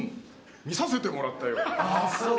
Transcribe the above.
見させてもらったよ。